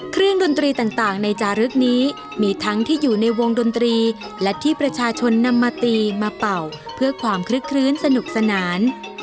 ดนตรีต่างในจารึกนี้มีทั้งที่อยู่ในวงดนตรีและที่ประชาชนนำมาตีมาเป่าเพื่อความคลึกคลื้นสนุกสนาน